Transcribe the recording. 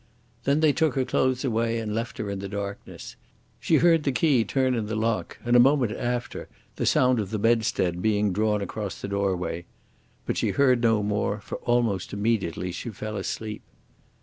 Then they took her clothes away and left her in the darkness. She heard the key turn in the lock, and a moment after the sound of the bedstead being drawn across the doorway. But she heard no more, for almost immediately she fell asleep.